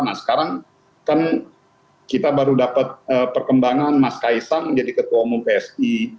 nah sekarang kan kita baru dapat perkembangan mas kaisang menjadi ketua umum psi